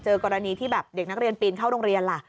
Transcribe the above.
กรณีที่แบบเด็กนักเรียนปีนเข้าโรงเรียนล่ะ